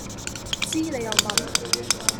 知你又問?